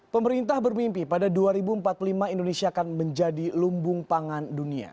pemerintah bermimpi pada dua ribu empat puluh lima indonesia akan menjadi lumbung pangan dunia